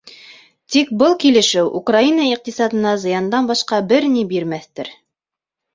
Тик был килешеү Украина иҡтисадына зыяндан башҡа бер ни бирмәҫтер.